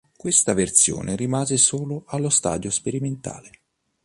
Questa versione rimase solo allo stadio sperimentale.